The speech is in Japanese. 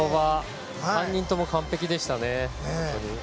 ３人とも完璧でしたね。